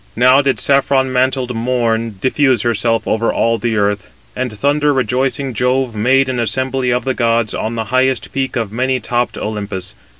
Now did saffron mantled morn diffuse herself over all the earth, and thunder rejoicing Jove made an assembly of the gods on the highest peak of many topped Olympus.